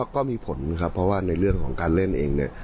ก็มีผลครับเพราะว่าในเรื่องของการเล่นเองเนี่ย